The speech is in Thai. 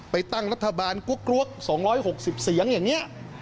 ตั้งรัฐบาลกรวก๒๖๐เสียงอย่างนี้